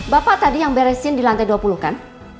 bapak tadi yang beresin di lantai dua puluh kan